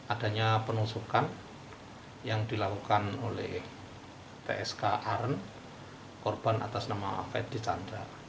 adanya penusukan yang dilakukan oleh tsk aren korban atas nama afedy chandra